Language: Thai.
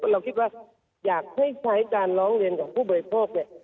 เราคิดว่าอยากให้ใช้การร้องเรียนกับผู้บริโภคเนี่ย